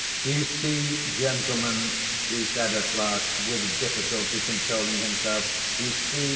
"You see, gentlemen," he said at last, with difficulty controlling himself, "you see.